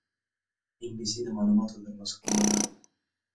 انګلیسي د معلوماتو د ترلاسه کولو لاره ده